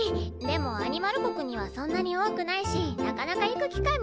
でもアニマル国にはそんなに多くないしなかなか行く機会もなくて。